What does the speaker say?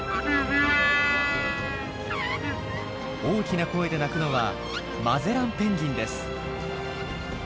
大きな声で鳴くのはマゼランペンギンです。